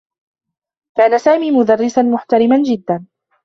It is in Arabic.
كان سامي مدرّسا محترما جدّا.